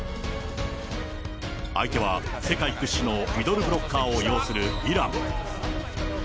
相手は世界屈指のミドルブロッカーを擁するイラン。